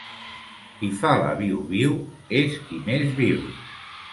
Qui fa la viu-viu, és qui més viu.